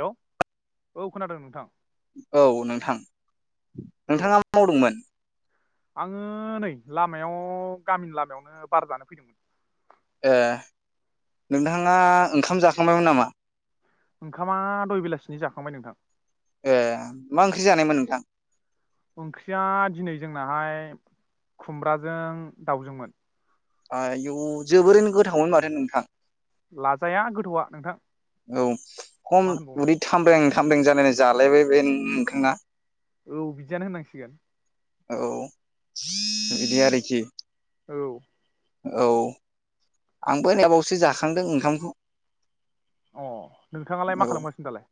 हेल' औ खोनादों नोंथां औ नोंथां औ नोंथाङा मा मावदोंमोन। आङो नै लामायाव गामिनि लामायावनो बारा जानो फैदोंमोन। ए नोंथाङा ओंखाम जाखांबायमोन नामा ओंखामा दय बेलासिनि जाखांबाय नोंथां। ए मा ओंख्रि जानायमोन नोंथां ओंख्रिया दिनै जोंनाहाय खुमब्राजों दाउजोंमोन। आयौ जोबोरैनो गोथावमोन माथो नोंथां लाजाया गोथौआ नोंथां। औ खम मा होनबावनो उदै थामब्रें थामब्रें जानायनाय जालायबाय बे नोंथाङा औ बिदियानो होनांसिगोन। औ बिदि आरोखि औ औ आंबो दाबावसो जाखांदों ओंखामखौ। अ नोंथाङालाय औ मा खालामगासिनो दालाय।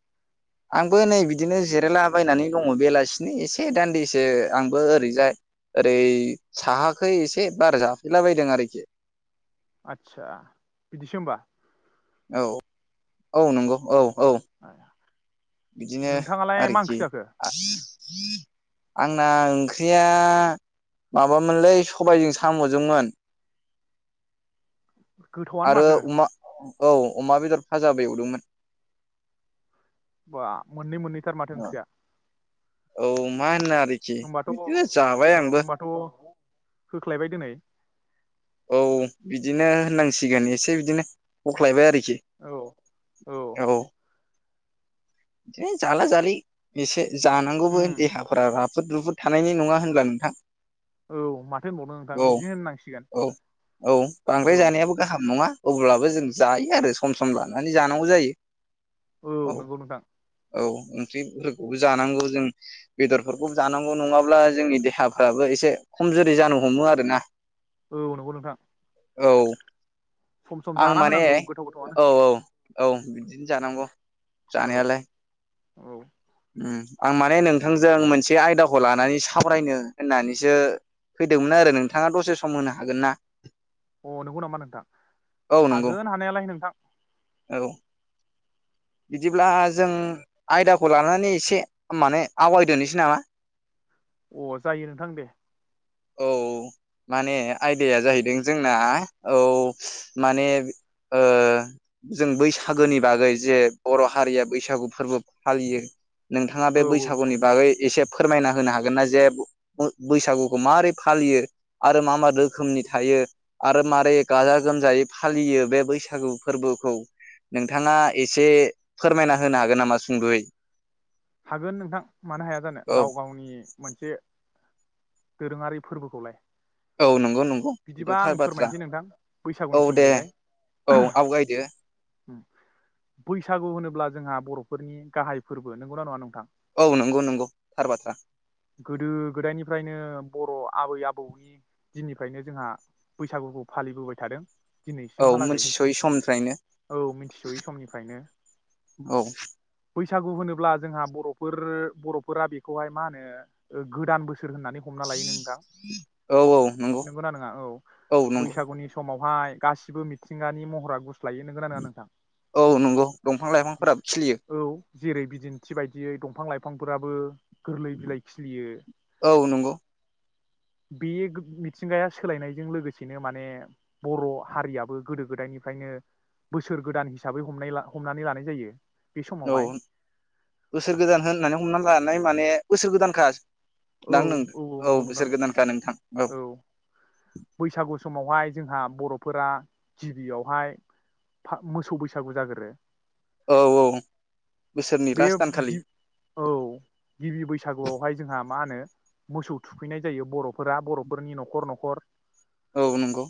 आंबो नै बिदिनो जिरायलाबायनानै दङ बेलासिनि एसे दान्दिसे आंबो ओरैजाय ओरै साहाखै एसे बारा जाफैलाबायदों आरोखि। आदसा बिदिसो होमबा। औ औ नंगौ औ औ बिदिनो नोंथाङालाय मा आरोखि ओंख्रि जाखो आंना ओंख्रिया माबामोनलै सबायजों साम'जोंमोन। गोथावआनो आरो माथो अमा औ अमा बेदर फाजा बेवदोंमोन। बा मोननै मोननै थार माथो ओंख्रिया औ माहोननो आर होनबाथ' औ होमबाथ' होख्लायबाय दिनै औ बिदिनो होननांसिगोन एसे बिदिनो हख्लायबाय आरोखि औ औ बिदिनो जाला जालि एसे जानांगौबो उम देहाफोरा रा फोद रुफुद थानायनि नङा होनब्ला नोंथां औ माथो होनबावनो नोंथां औ बिदिनो होननांसिगोन औ औ औ बांद्राय जानायाबो गाहाम नङा अब्लाबो जों जायो आरो सम सम लानानै जानांगौ जायो। औ नंगौ नोंथां औ ओंख्रिफोरखौबो जानांगौ जों बेदरफोरखौबो जानांगौ नङाब्ला जोंनि देहाफ्राबो एसे खमजुरि जानो हमो आरोना औ नंगौ नोंथां औ सम सम आं जाना माने होनांगौ गोथाव गोथावनो औ औ औ बिदिनो जानांगौ औ जानायालाय औ आं माने नोंथांजों मोनसे आयदाखौ लानानै सावरायनो होननानैसो फैदोंमोन आरो नोंथाङा दसे सम होनो हागोन ना? अ नंगौ नामा नोंथां औ नंगौ हागोन हानायालाय नोंथां औ बिदिब्ला जों आयदाखौ लानानै एसे माने आवगायदोनोसै नामा? अ जायो नोंथां दे औ माने आयदाया जाहैदों जोंना औ माने ओ जों बैसागोनि बागै जे बर' हारिया बैसागु फोरबो फालियो नोंथाङा औ बे औ नंगौ बैसागुनि नोंथां बागै एसे फोरमायना होनो हागोन ना जे ब-बैसागु खौ माबारोरै फालियो आरो मा मा रोखोमनि थायो आरो मारै गाजा गोमजायै फालियो बे बैसागु फोरबोखौ नोंथाङा एसे फोरमायना होनो हागोन नामा सुंद'यै हागोन नोंथां मानो हाया जानो औ गाव गावनि मोनसे दोरोङारि फोरबोखौलाय औ नंगौ नंगौ बिदिबा बेथ'थार आं बाथ्रा फोरमायनोसै नोंथां बैसागुनि औ दे सोमोन्दैहाय औ आवगायदो बैसागु होनोब्ला जोंहा बर'फोरनि गाहाय फोरबो नों नंगौना नंङा नों थां औ नंगौ नंगौ थार बाथ्रा गोदो गोदायनिफ्रायनो बर' आबै-आबौनि दिननिफ्रायनो जोंहा बैसागुखौ फालिबोबाय थादों। औ दिनैसिमहालागै मोथिसयै समनिफ्रायनो औ मिथिस'यै समनिफ्रायनो औ बैसागु होनोब्ला जोंहा बरफोर बर'फोरा बेखौहाय मा होनो गोदान बोसोर सोर होननानै हमना लायो नोंथां औ औ नंगौ नंगौना नङा औ औ नंगौ बैसागुनि समाव बेहाय गासिबो मिथिंगानि महरा गुस औ नंगौ दंफां लाइफांफोराबो खिलियो औ जेरै बिदिन थि बायदियै दंफां लाइफांफोराबो गोरलै बिलाइ खिलियो औ नंगौ बेयो गो मिथिंगाया सोलायनायजों लोगोसेनो माने बर' हारियाबो गोदो गोदायनिफायनो बोसोर गोदान हिसाबै हमलाय हमनानै लानाय जायो। बे औ समावहाय बोसोर गोदान होननानै हमना लानाय माने बोसोर गोदानखा औ दां नों औ औ नंगौ बोसोर नोंथां गोदानखा नोंथां औ बैसागु समावहाय जोंहा बर'फोरा गिबियावहाय फा मोसौ बैसागु जाग्रोरो औ औ बोसोरनि बेयो लास्ट दानखालि गि औ गिबि बैसागुआवहाय जोंहा मा होनो मोसौ थुखैनाय जायो बर'फोरा बर'फोरनि न'खर न'खर औ नंगौ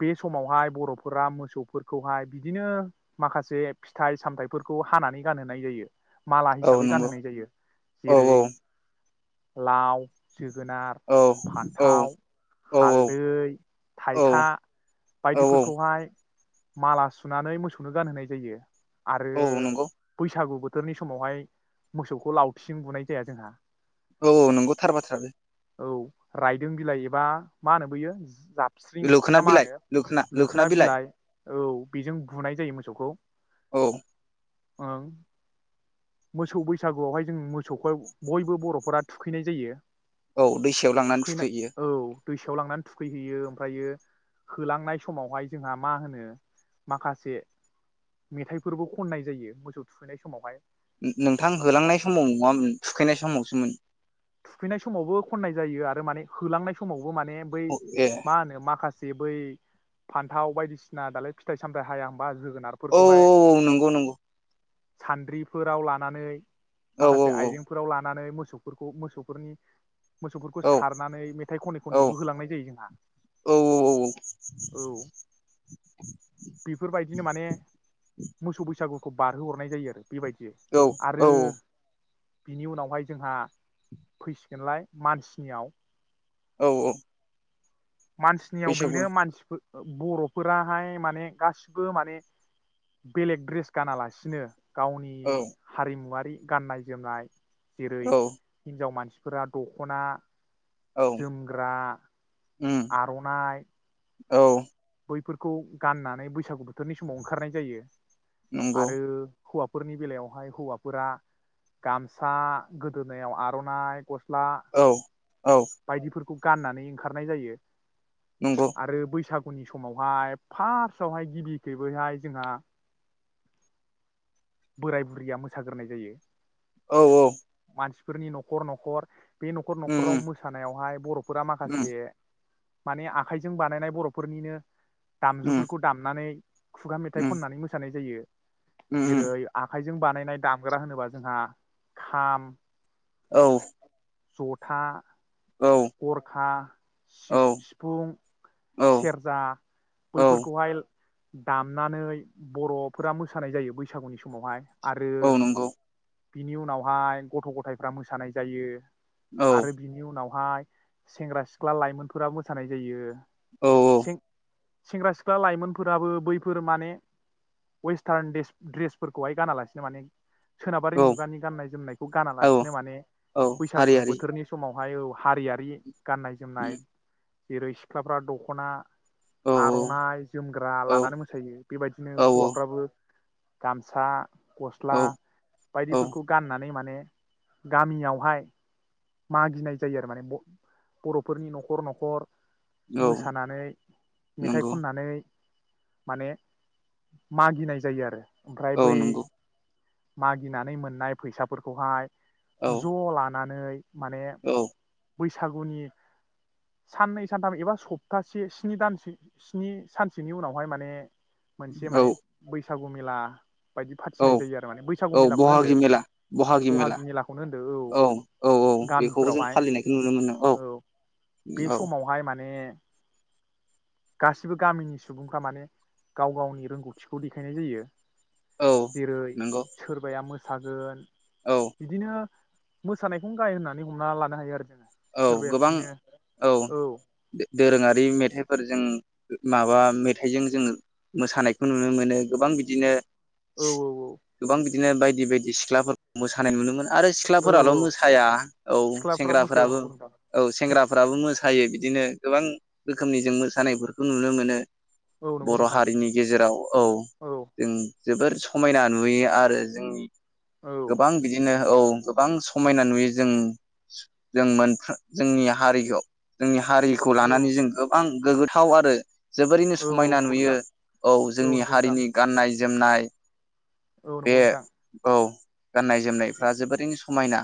बे समावहाय बर'फोरा मोसौफोरखौहाय बिदिनो माखासे फिथाइ सामथायफोरखौ हानानै गानहोनाय जायो। माला औ हिसाबै नंगौ गानहोनाय जायो। औ जेरै लाव जोगोनार, औ फान्थाव, औ हालदै, औ थाइखा औ बायदिफोरखौहाय माला सुनानै मोसौनो गानहोनाय जायो। आरो औ नंगौ बैसागु बो थोरनि समावहाय मोसौखौ लावथिजों बुनाय जाया जोंहा औ औ नंगौ थार बाथ्रा बे औ रायदों बिलाइ एबा माहोनो बैयो जा स्रिं ना मा होनो लोखोना बिलाइ औ बेजों बुनाय जायो मोसौखौ। औ ओं मोसौ बैसागुआवहाय जों मोसौखौ बयबो बर'फोरा थुखैनाय जायो। औ दैसायाव लांनानै थुखैनाय थुखैहैयो। औ दैसायाव लांनानै थुखैहैयो ओमफायो होलांनाय समावहाय जोंहा मा होनो माखासे मेथाइफोरबो खननाय जायो मोसौ थुखैनाय समावहाय नोंथां होलांनाय समाव नङामोन थुखैनाय समावसोमोन। थुखैनाय समावबो खननाय जायो आरो माने होलांनाय समाव बो माने बै ए मा होनो माखासे जे बै फान्थाव बायदिसिना दालाय फिथाइ सामथाय हाया होम बा औ जोगोनारफोरखौहाय औ नंगौ नंगौ सान्द्रिफोराव लानानै औ औ माखासे आइजेंफोराव लानानै मो सौफोर खौ मोसौफोरनि मोसौफोरखौ औ सारनानै मेथाइ खनै औ खनैबो होलांनाय जायो जोंहा औ औ बेफोरबायदिनो माने मोसौ बैसागु खौ बारहोहरनाय जायो आरो। बेबायदि आरो औ बिनि उनावहाय जोंहा। फैसिगोनलाय मानसिनियाव। औ-औ। मानसिनियाव बेनो मानसिफोर। ओ बरफोराहाय माने गासिबो माने बेलेग द्रेस गानालासिनो। गावनि औ हारिमुवारि। गाननाय जोमनाय। जेरै औ हिनजाव मानसि फोरा दखना। औ सोमग्रा। उम आर'नाइ। औ बैफोरखौ गाननानै बैसागु बोथोरनि समाव ओंखारनाय जायो। नंगौ आरो। हौवाफोरनि बेलायावहाय हौवाफोरा गामसा गोदोनायाव आरनाइ ग स्ला औ औ बायदिफोरखौ। गाननानै ओंखारनाय जायो। नंगौ आरो बैसा गुनि समावहाय फार्स्टआवहाय गिबि खैबोैहाय जोंहा। बोराय बुरैया मोसाग्रोनाय जायो। औ-औ। मानसिफोरनि नखर नखर। बे न'खर न'खराव उम मोसानायावहाय बर'फोरा उम माखासे माने आखाइजों बानायनाय बरफोरनिनो। उम दामजुफोरखौ दामनानै। खुगा मेथाइ उम खननानै मोसानाय जायो। उम जेरै आखायजों। बानायनाय दग्रा होनोबा जोंहा खाम। औ। जथा। औ थरखा औ सि-सिफुं औ सेरजा औ बैफोरखौहाय। दामनानै बरफोरा मोसानाय जायो बैसा गुनि समावहाय आरो औ नंगौ। बिनि उनावहाय गथ गथायफ्रा मोसानाय जायो। औ आरो बिनि उनाव हाय सेंग्रा सिख्ला लाइमोनफोरा मोसानाय जायो। औ सें सेंग्रा सिख्ला लाइमोनफोराबो बैफोर माने वेस्टार्न देस द्रेसफोरखौहाय गानालासिनो माने सोनाबारि औ मुगानि गाननाय जोमनायखौ औ गानालासिनो माने औ बैसागु हारि हारि बोथोरनि समाव हाय औ हारियारि गाननाय जोमनाय जेरै सिख्लाफ्रा दखना औ आरनाइ, जोमग्रा औ लानानै मोसायो बेबायदिनो औ हौवाफ्राबो गामसा गस्ला औ बायदिफोरखौ गाननानै माने गामियावहाय मागिनाय जायो आरो माने ब-बरफोरनि न'खर न'खर औ औ मोसानानै मेथाइ नंगौ खननानै माने मागिनाय जायो आरो। ओमफ्राय औ बै नंगौ मागिनानै मोननाय फैसाफोरखौहाय औ ज ला नानै माने औ बैसागुनि साननै सानथाम एबा सप्तासे स्नि दानसे स्नि सानसोनि उनावहाय माने मोनसे औ माने बै सागु मेला बायदि औ फाथिनाय जायो आ औ बहागि मेला बहागि मेला औ औ औ बेखौबो जों गामिफोरावहाय फालिनायखौ नुनो मोनो औ बे औ। समावहाय माने गासिबो गामिनि सुबुंफ्रा माने गाव गावनि रोंगौथिखौ देखायनाय जायो। औ जेरै नंगौ सोरबाया मो सागोन औ बिदिनो मोसानायखौनो गाहाय होननानै हमना लानो हायो आरो जोङो। औ सोरबाया गोबां बिदिनो औ दोरोङा रि मेथाइफोर जों माबा मेथाइजों जों मोसानायखौ नुनो मोनो गोबां बिदिनो औ गोबां बि बिदिनो बायदि बायदि सिख्लाफोरखौ मोसानाय नुनो मोनो। आरो औ सिख्लाफोराल' औ मोसाया औ सिख्लाफ्राबो सेंग्रा मोसायो औ फ्राबो नंगौ नोंथां औ सें सेंग्राफ्राबो मोसायो बिदिनो गोबां रोखोमनि जों मोसानायफोरखौ नुनो मोनो। औ नंगौ बर' नोंथां हारिनि गेजेराव औ जों जोबोर समायना नुयो आरो जोंनि औ गोबां बिदिनो औ गोबां समायना नुयो जों जों मोनखो जोंनि हारिखौ जोंनि हारिखौ औ लानानै जों गोबां गोग्गोथाव आरो जोबोरैनो औ समायना नंगौ नुयो नोंथां औ जोंनि नंगौ नोंथां हारिनि गाननाय- जोमनाय औ बे नंगौ नोंथां औ गाननाय-जोमनायफ्रा जोबोरैनो समायना।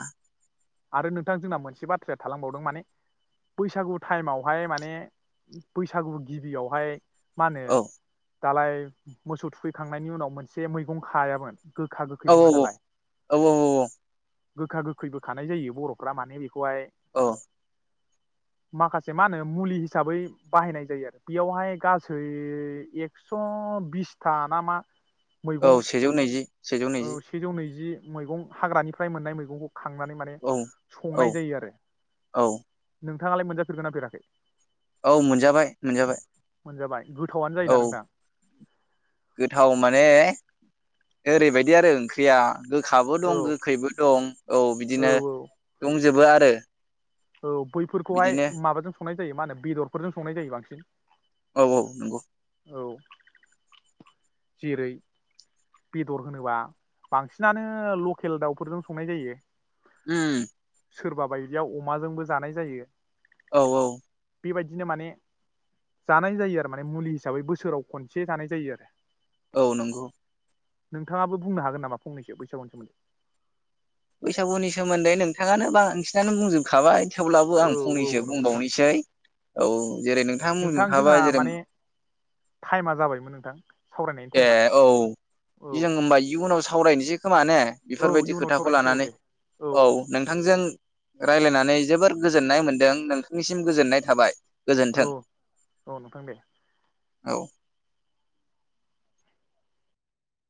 आरो नोंथां जोंना मोनसे बाथ्राया थालांबावदों माने बैसागु टाइमावहाय माने बैसागु गिबियावहाय मा होनो? औ दालाय मोसौ थुखैखांनायनि उनाव मोनसे मैगं खायामोन गोखा गोखै औ बुङा औ औ औ गोखा-गोखैखो खानाय जायो बर'फ्रा माने बे- खुवाय औ माखासे मा होनो मुलि हिसाबै बाहायनाय जायो आरो बेयावहाय गासै एक्स' बिसथा ना मा औ मैगं सेजौ नैजि सेजौ नैजि औ सेजौ नैजि मैगं हाग्रानिफ्राय मोननाय मैगंखौ माने माने औ औ संनाय जायो आरो औ नोंथाङालाय मोनजाफेरदोना फेराखै। औ मोनजाबाय मोनजाबाय मोनजाबाय गोथावनो जायो औ दा नोंथां गोथाव माने ओरैबायदि आरो ओंख्रिया गोखाबो औ दं गोखैबो दं औ बिदिनो दंजोबो आरो ओ [inaudible] औ बैफोरखौहाय माबाजों संनाय जायो मा होनो बेदरफोरजों संनाय जायो बांसिन औ औ नंगौ। औ। जेरै बेदर होनोबा बांसिनानो लकेल दाउफोरजों संनाय जायो। उम। सोरबा बायदिया अमाजोंबो जानाय जायो। औ औ। बेबायदिनो माने जानाय जायो आरो माने मुलि हिसाबै बोसोराव खनसे जानाय जायो आरो। औ नंगौ। नोंथाङाबो बुंनो हागोन नामा फंनैसो बैसागुनि सोमोन्दै। बैसागुनि सोमोन्दै नोंथाङानो बांसिनानो बुंजोबखाबाय। थेवब्लाबो औ आं फंनैसो औ नंगौ नोंथां बुंबावनोसै औ जेरै नोंथाङा नोंथां बुंजोबखाबाय जोंहा जेरै माने टाइमा जाबायमोन नोंथां। सावरायनायनि ए टाइमा औ औ जों होमबा इयुनाव सावरायनोसै खोमा ने औ बेफोर बायदि इयुनाव खोथाखौ सावरायनोसै औ लानानै दे औ नोंथांजों रायज्लायनानै जोबोर गोजोननाय मोन्दों नोंथांनिसिम गोजोननाय थाबाय। गोजोन्थों। औ औ नोंथां दे औ।